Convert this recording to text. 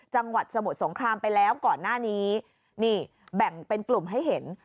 จังหวัดสมุทรสงครามไปแล้วก่อนหน้านี้นี่แบ่งเป็นกลุ่มให้เห็น